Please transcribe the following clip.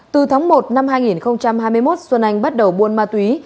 từ tháng một năm hai nghìn hai mươi một xuân anh bắt đầu buôn ma túy